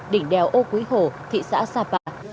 đỉnh đèo âu quý hồ thị xã sà bạc